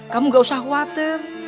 kamu gak usah khawatir